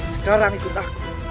sekarang ikut aku